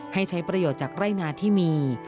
ให้ใช้ประโยชน์จากไร่นาที่มี